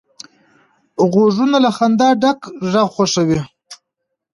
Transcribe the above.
غوږونه له خندا ډک غږ خوښوي